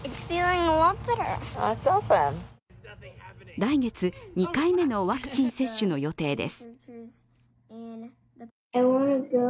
来月、２回目のワクチン接種の予定です。